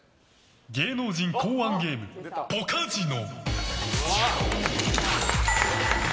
芸能人考案ゲームポカジノ。